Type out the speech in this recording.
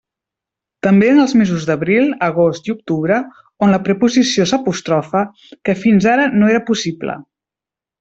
També en els mesos d'abril, agost i octubre, on la preposició s'apostrofa, que fins ara no era possible.